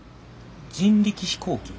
人力飛行機？